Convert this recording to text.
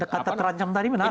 kata terancam tadi menarik